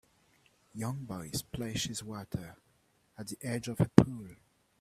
Young boy splashes water at the edge of a pool.